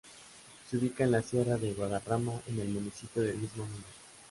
Se ubica en la sierra de Guadarrama, en el municipio del mismo nombre.